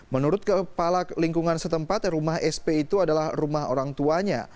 menurut kepala lingkungan setempat rumah sp itu adalah rumah orang tuanya